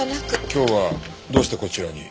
今日はどうしてこちらに？